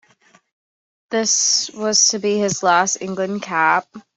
This was to be his last England cap.